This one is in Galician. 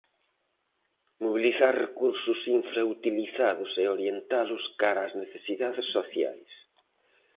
Mobilizar recursos infrautilizados e orientalos cara ás necesidades sociais.